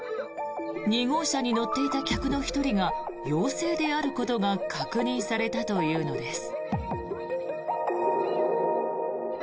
２号車に乗っていた客の１人が陽性であることが確認されたというのです。